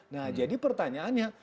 nah jadi pertanyaannya